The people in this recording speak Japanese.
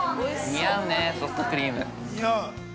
◆似合うね、ソフトクリーム。